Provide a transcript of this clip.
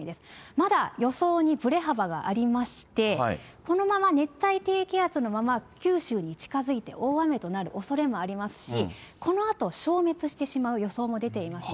まだ予想にぶれ幅がありまして、このまま熱帯低気圧のまま、九州に近づいて大雨となるおそれもありますし、このあと消滅してしまう予想も出ています。